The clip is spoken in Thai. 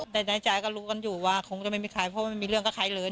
แต่ในใจก็รู้กันอยู่ว่าคงจะไม่มีใครเพราะไม่มีเรื่องกับใครเลย